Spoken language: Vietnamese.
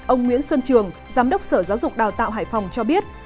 ông nguyễn xuân trường giám đốc sở giáo dục đào tạo hải phòng cho biết